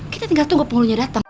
kita tinggal tunggu penghulunya datang